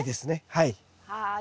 はい。